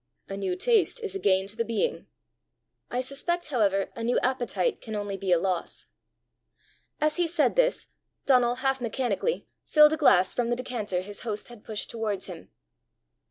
"A new taste is a gain to the being." "I suspect, however, a new appetite can only be a loss." As he said this, Donal, half mechanically, filled a glass from the decanter his host had pushed towards him.